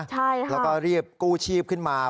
แล้วก็รีบกู้ชีพขึ้นมา